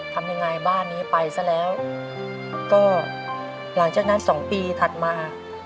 ทำยังไงบ้านนี้ไปซะแล้วก็หลังจากนั้นสองปีถัดมา